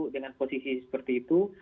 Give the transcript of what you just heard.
dengan posisi seperti itu